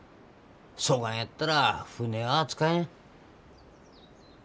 そがんやったら船は扱えん。